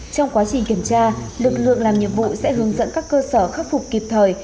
trong quá trình kiểm tra lực lượng làm nhiệm vụ sẽ hướng dẫn các cơ sở khắc phục kịp thời